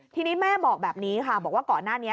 ทีนี้แม่บอกแบบนี้ค่ะบอกว่าก่อนหน้านี้